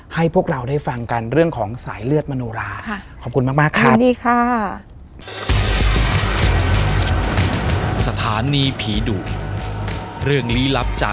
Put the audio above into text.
ให้พวกเราได้ฟังกันเรื่องของสายเลือดมโนราขอบคุณมากครับ